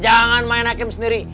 jangan main hakim sendiri